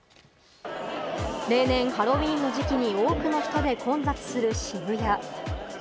例年ハロウィーンの時期に多くの人で混雑する渋谷。